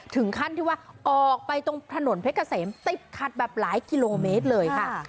ถึงขั้นที่ว่าออกไปตรงถนนเพชรเกษมติดขัดแบบหลายกิโลเมตรเลยค่ะ